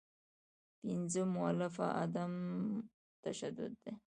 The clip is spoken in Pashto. پنځمه مولفه عدم تشدد دی.